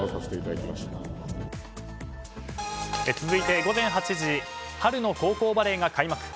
続いて午前８時春の高校バレーが開幕。